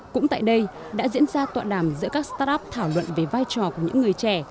cũng tại đây đã diễn ra tọa đàm giữa các start up thảo luận về vai trò của những người trẻ